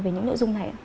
về những nội dung này